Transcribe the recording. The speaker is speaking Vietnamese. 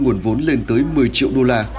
nguồn vốn lên tới một mươi triệu đô la